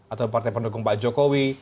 atau partai pendukung pak jokowi